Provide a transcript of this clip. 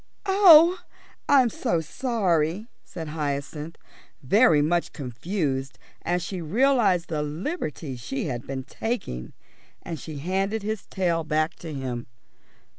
"Oh, I'm so sorry," said Hyacinth, very much confused as she realised the liberty she had been taking, and she handed his tail back to him.